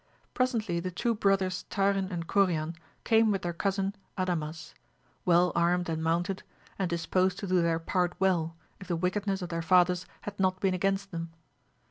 Presently the two brothers Tarin and Corian came with their cousin Adamas, well armed and mounted, and disposed to do their part well, if the wickedness of their fathers had not been against them.